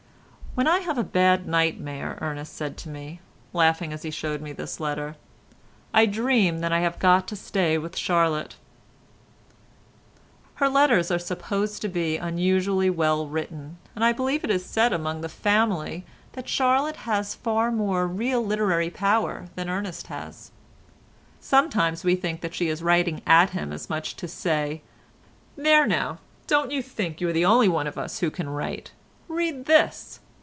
"When I have a bad nightmare," said Ernest to me, laughing as he showed me this letter, "I dream that I have got to stay with Charlotte." Her letters are supposed to be unusually well written, and I believe it is said among the family that Charlotte has far more real literary power than Ernest has. Sometimes we think that she is writing at him as much as to say, "There now—don't you think you are the only one of us who can write; read this!